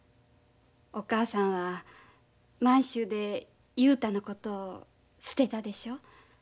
お母さんは満州で雄太のことを捨てたでしょう。